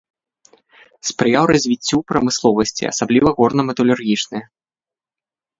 Спрыяў развіццю прамысловасці, асабліва горна-металургічнай.